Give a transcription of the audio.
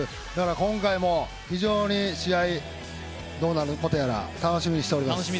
今回も非常に試合、どうなることやら、楽しみにしております。